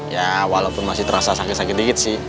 ya walaupun masih terasa sakit sakit dikit sih